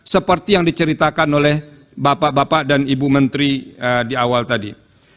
seperti yang diceritakan oleh bapak bapak dan ibu menteri di awal tadi